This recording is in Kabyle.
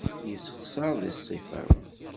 Yessexṣar di ṣṣifa-w.